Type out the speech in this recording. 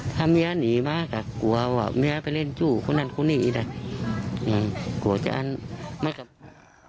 ถ้าเมียหนีมาก็กลัวว่าเมียไปเล่นจู่คนนั้นคนนี้อีกอ่ะกลัวจะอันไม่กลับมา